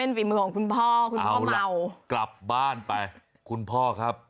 ฝีมือของคุณพ่อคุณพ่อเมากลับบ้านไปคุณพ่อครับ